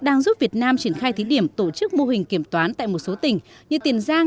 đang giúp việt nam triển khai thí điểm tổ chức mô hình kiểm toán tại một số tỉnh như tiền giang